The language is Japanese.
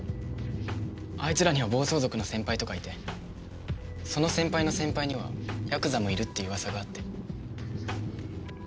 あいつらには暴走族の先輩とかいてその先輩の先輩にはヤクザもいるっていう噂があって。